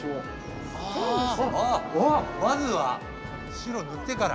まずは白塗ってから。